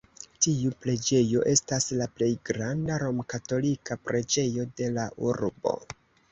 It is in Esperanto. Tiu preĝejo estas la plej granda romkatolika preĝejo de la urbo.